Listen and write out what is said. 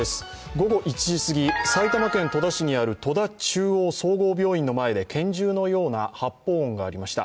午後１時すぎ、埼玉県戸田市にある戸田中央総合病院の前で拳銃のような発砲音がありました。